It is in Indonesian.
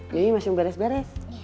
mimi masih mau beres beres